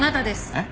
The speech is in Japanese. えっ？